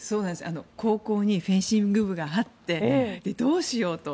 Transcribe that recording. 高校にフェンシング部があってどうしようと。